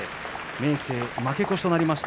明生は負け越しとなりました。